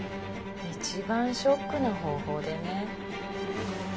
一番ショックな方法でね。